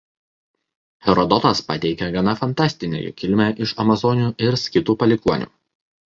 Herodotas pateikia gana fantastinę jų kilmę iš amazonių ir skitų palikuonių.